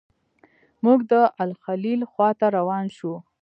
موږ د الخلیل خواته روان شوو.